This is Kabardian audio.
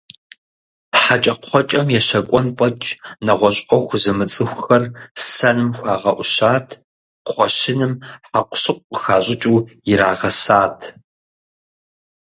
ХьэкӀэкхъуэкӀэм ещэкӀуэн фӀэкӀ нэгъуэщӀ Ӏуэху зымыцӀыхухэр сэным хуагъэӀущат, кхъуэщыным хьэкъущыкъу къыхащӀыкӀыу ирагъэсат.